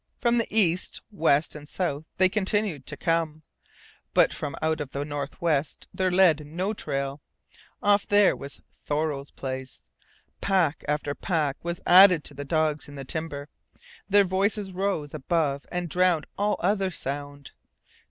From the east, west, and south they continued to come but from out of the northwest there led no trail. Off there was Thoreau's place. Pack after pack was added to the dogs in the timber. Their voices rose above and drowned all other sound.